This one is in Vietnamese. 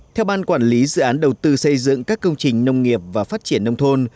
theo ban quản lý dự án đầu tư xây dựng các công trình nông nghiệp và phát triển nông thôn